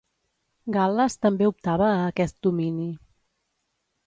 Gal·les també optava a aquest domini.